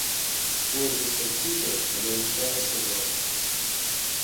Словы то сярдзітыя, але ласкава сказаны.